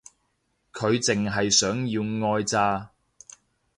佢淨係想要愛咋